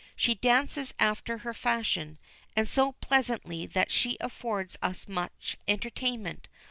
She dances after her fashion, and so pleasantly that she affords us much entertainment.